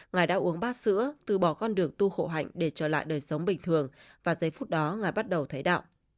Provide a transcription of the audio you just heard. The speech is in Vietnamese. ngài đã uống bát sữa từ bỏ con đường tu hộ hạnh để trở lại đời sống bình thường và giây phút đó ngài bắt đầu thấy đạo